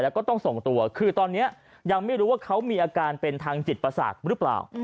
แล้วก็ต้องส่งตัวคือตอนนี้ยังไม่รู้ว่าเขามีอาการเป็นทางจิตประสาทหรือเปล่า